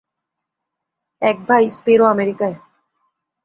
এক ভাই, স্পিরো, আমেরিকায়।